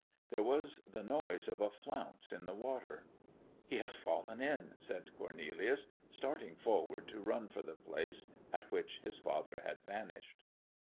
There was the noise of a flounce in the water. 'He has fallen in!' said Cornelius, starting forward to run for the place at which his father had vanished.